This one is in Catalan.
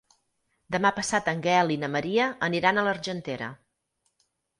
Demà passat en Gaël i na Maria aniran a l'Argentera.